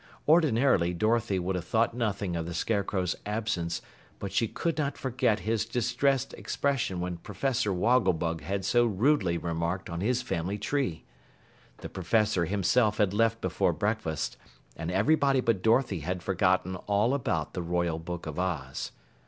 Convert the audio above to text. Ordinarily Dorothy would have thought nothing of the Scarecrow's absence, but she could not forget his distressed expression when Professor Wogglebug had so rudely remarked on his family tree. The Professor himself had left before breakfast, and everybody but Dorothy had forgotten all about the Royal Book of Oz.